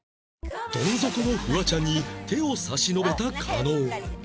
どん底のフワちゃんに手を差し伸べた加納